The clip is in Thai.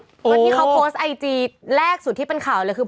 เพราะที่เขาโพสต์ไอจีแรกสุดที่เป็นข่าวเลยคือ